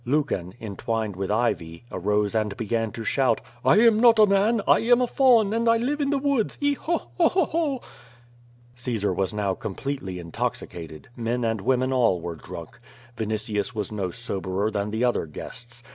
Lucan, entwined with ivy, arose and began to slioiit: "I am not a man: 1 am a faun, and I live in the woods. E, ho, o, o o, o.'* Caesar was now completely intoxicated; men and women all were drunk. Vinitius was no soberer than the other guests.